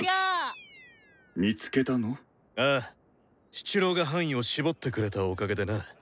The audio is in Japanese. シチロウが範囲を絞ってくれたおかげでな。